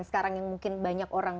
sekarang yang mungkin banyak orang